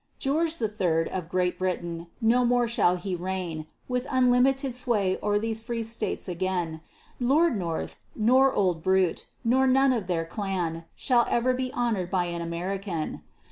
George the Third, of Great Britain, no more shall he reign, With unlimited sway o'er these free States again; Lord North, nor old Bute, nor none of their clan, Shall ever be honor'd by an American.